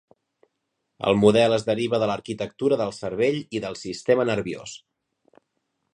El model es deriva de l'arquitectura del cervell i del sistema nerviós.